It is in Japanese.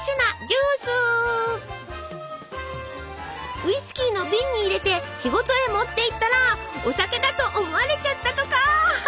ウイスキーの瓶に入れて仕事へ持っていったらお酒だと思われちゃったとか！